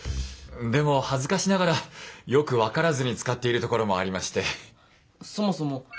でも恥ずかしながらよく分からずに使っているところもありまして。